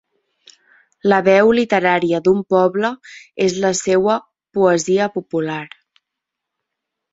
La veu literària d'un poble és la seua poesia popular.